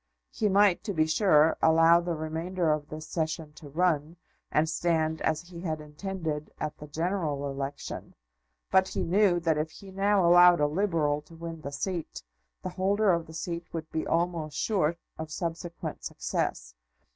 He might, to be sure, allow the remainder of this Session to run, and stand, as he had intended, at the general election; but he knew that if he now allowed a Liberal to win the seat, the holder of the seat would be almost sure of subsequent success.